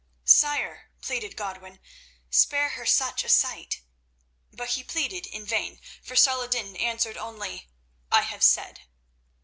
"Sire," pleaded Godwin, "spare her such a sight." But he pleaded in vain, for Saladin answered only, "I have said."